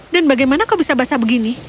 dan bagaimana kau bisa basah begini